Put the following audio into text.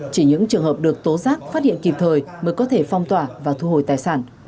chỉ những trường hợp được tố giác phát hiện kịp thời mới có thể phong tỏa và thu hồi tài sản